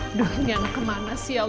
aduh ini anak kemana sih ya